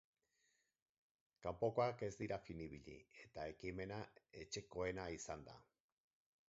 Kanpokoak ez dira fin ibili, eta ekimena etxekoena izan da.